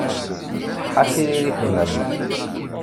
Tṣeḥḥa tririt-nnem.